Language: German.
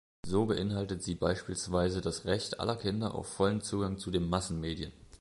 So beinhaltet sie beispielsweise das Recht aller Kinder auf vollen Zugang zu den Massenmedien.